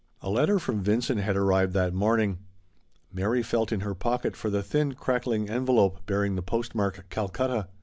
A letter from Vincent had arrived that morning; Mary felt in her pocket for the thin, crackling envelope bearing the post mark "Calcutta."